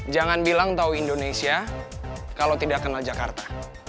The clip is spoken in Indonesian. jangan bilang tahu indonesia kalau tidak kenal jakarta